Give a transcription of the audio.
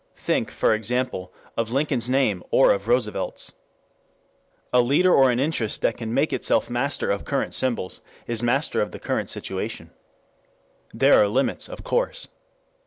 Think, for example, of Lincoln's name or of Roosevelt's. A leader or an interest that can make itself master of current symbols is master of the current situation. There are limits, of course.